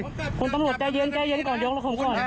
ครับคุณตำรวจใจเย็นใจเย็นก่อนเดี๋ยวรอคุณกล้อง